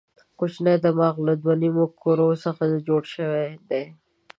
کوچنی دماغ له دوو نیمو کرو څخه جوړ شوی دی.